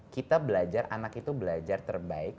kita belajar anak itu belajar terbaik